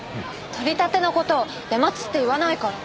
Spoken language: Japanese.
取り立ての事を出待ちって言わないから。